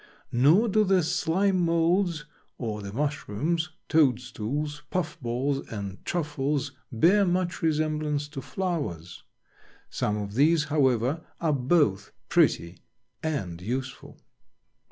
Nor do the "slime moulds" or the mushrooms, toadstools, puff balls and truffles bear much resemblance to flowers. Some of these, however, are both pretty and useful.